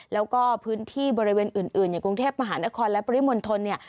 แล้วก็พื้นที่บริเวณอื่นอย่างกรุงเทพมหานครและปริมณฑลเนี่ย